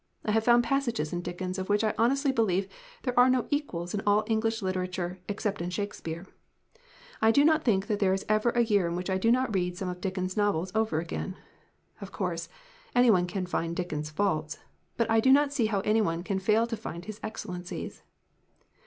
I have found passages in Dickens of which I honestly believe there are no equal in all English literature except in Shakespeare. I do not think that there is ever a year in which I do not read some of Dickens' s novels over again. Of course, any one can find Dickens's faults but I do not see how any one can fail to find his ex cellences."